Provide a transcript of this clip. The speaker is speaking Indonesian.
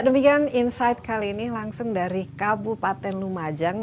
demikian insight kali ini langsung dari kabupaten lumajang